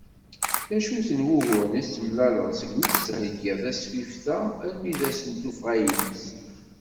D acu-ten wuguren i d-temlaleḍ segmi tettheggiḍ tasfift-a armi d ass n tuffɣa-ines?